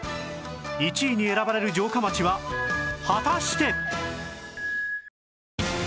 １位に選ばれる城下町は果たして？